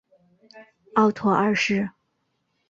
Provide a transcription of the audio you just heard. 奥托二世。